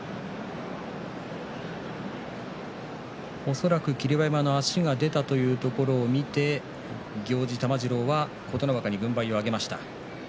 恐らく霧馬山の足が出たというところで行司玉治郎は琴ノ若に軍配を上げました。